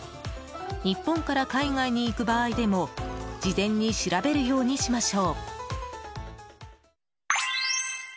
日本から海外に行く場合でも事前に調べるようにしましょう。